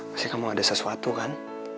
pasti kamu ada sesuatu kan